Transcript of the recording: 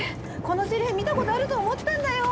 このせりふ見たことあると思ったんだよ。